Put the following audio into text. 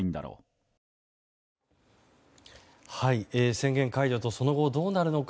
宣言解除とその後どうなるのか